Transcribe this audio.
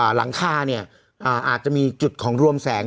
หลังคาเนี่ยอาจจะมีจุดของรวมแสง